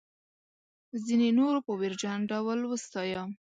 ځینو نورو په ویرجن ډول وستایه.